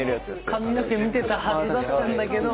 髪の毛見てたはずだったんだけど。